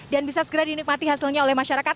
dan bisa segera dinikmati hasilnya oleh masyarakat